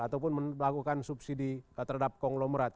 ataupun melakukan subsidi terhadap konglomerat